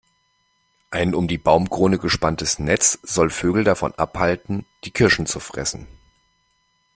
Ein um die Baumkrone gespanntes Netz soll Vögel davon abhalten, die Kirschen zu fressen.